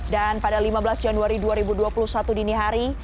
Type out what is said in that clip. dan pada lima belas januari dua ribu dua puluh satu dini hari